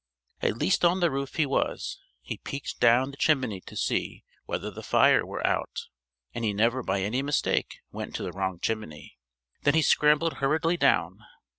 At least on the roof he was: he peeked down the chimney to see whether the fire were out (and he never by any mistake went to the wrong chimney): then he scrambled hurriedly down.